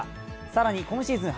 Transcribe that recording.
更に今シーズン